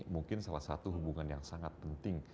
mungkin salah satu hubungan yang sangat penting